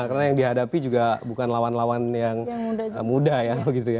karena yang dihadapi juga bukan lawan lawan yang muda ya